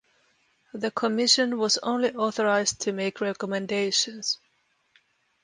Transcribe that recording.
The Commission was only authorized to make recommendations.